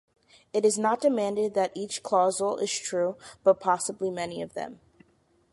It is not demanded that each clausal is true, but possibly many of them.